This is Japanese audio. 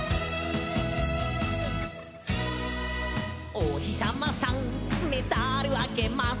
「おひさまさんメダルあげます」